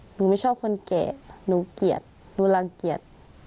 หนูไม่ชอบคนแก่หนูเกลียดหนูรังเกียจ